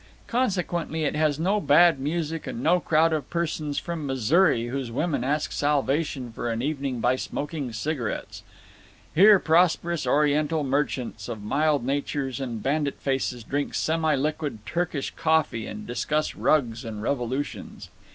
Consequently it has no bad music and no crowd of persons from Missouri whose women risk salvation for an evening by smoking cigarettes. Here prosperous Oriental merchants, of mild natures and bandit faces, drink semi liquid Turkish coffee and discuss rugs and revolutions.